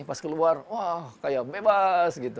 pas keluar wah kayak bebas